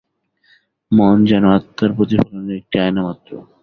মন যেন আত্মার প্রতিফলনের একটি আয়না মাত্র।